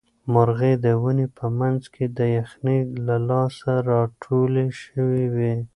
مرغۍ د ونې په منځ کې د یخنۍ له لاسه راټولې شوې وې.